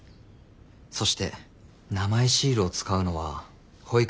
そして名前シールを使うのは保育園に入園する家庭。